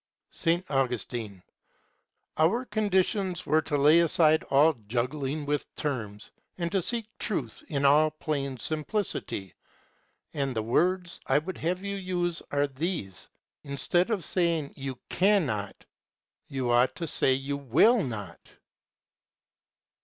S. Augustine. Our conditions were to lay aside all juggling with terms and to seek truth in all plain simplicity, and the words I would have you use are these: instead of saying you _can_not, you ought to say you will not.